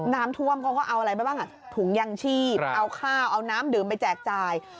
น้ำท่วมเขาก็เอาอะไรไปบ้างถุงยางชีพเอาข้าวเอาน้ำดื่มไปแจกจ่าย